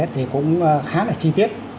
thì cũng khá là chi tiết